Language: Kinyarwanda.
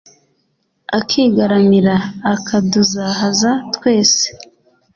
akigaramira ,akaduzahaza twese